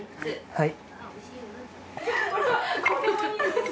はい。